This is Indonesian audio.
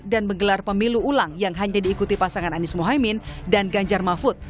dan menggelar pemilu ulang yang hanya diikuti pasangan anies mohaimin dan ganjar mahfud